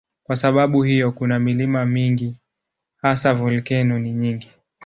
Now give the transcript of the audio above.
Kwa sababu hiyo kuna milima mingi, hasa volkeno ni nyingi.